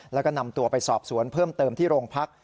แล้วก็นำตัวไปสอบสวนเพิ่มเติมที่โรงพัก